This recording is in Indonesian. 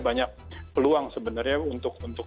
banyak peluang sebenarnya untuk